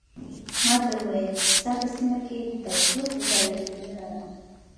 ماته ووایه چې ستا په سیمه کې د تودوخې درجه څومره ده.